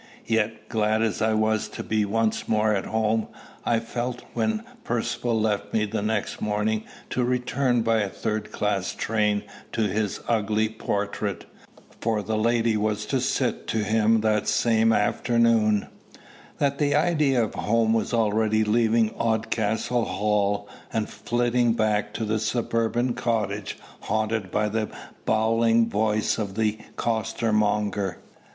Yet, glad as I was to be once more at home, I felt, when Percivale left me the next morning to return by a third class train to his ugly portrait, for the lady was to sit to him that same afternoon, that the idea of home was already leaving Oldcastle Hall, and flitting back to the suburban cottage haunted by the bawling voice of the costermonger.